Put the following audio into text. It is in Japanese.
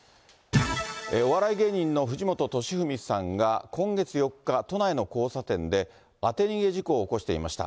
お笑い芸人の藤本敏史さんが、今月４日、都内の交差点で当て逃げ事故を起こしていました。